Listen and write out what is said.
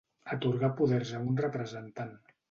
Atorgar poders a un representant.